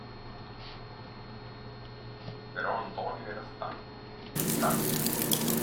Però Antonio era stanco, stanco.